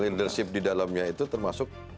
leadership di dalamnya itu termasuk soal forecasting